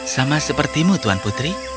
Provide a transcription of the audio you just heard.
sama sepertimu tuan putri